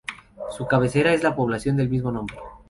Su cabecera es la población del mismo nombre.